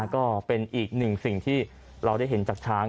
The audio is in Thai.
ก็เป็นอีกหนึ่งสิ่งที่เราได้เห็นจากช้าง